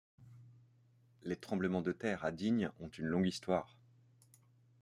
Les tremblements de terre à Digne ont une longue histoire.